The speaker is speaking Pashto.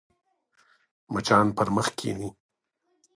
مچان پر مخ کښېني